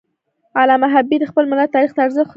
علامه حبیبي د خپل ملت تاریخ ته ارزښت ورکاوه.